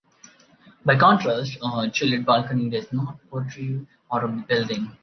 By contrast, a 'Juliet balcony' does not protrude out of the building.